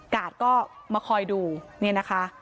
กาดก็มาคอยดูนี่นะคะ